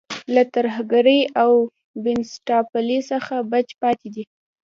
له ترهګرۍ او بنسټپالۍ څخه بچ پاتې دی.